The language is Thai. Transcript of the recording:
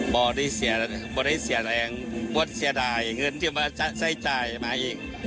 ไม่ได้เสียแรงไม่ได้เสียดายเงินที่มาใช้จ่ายมาเอง